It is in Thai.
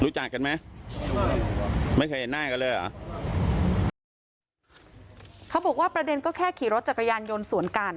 รู้จักกันไหมไม่เคยเห็นหน้ากันเลยเหรอเขาบอกว่าประเด็นก็แค่ขี่รถจักรยานยนต์สวนกัน